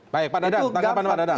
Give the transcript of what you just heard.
baik pak dadang tanggapan pak dadang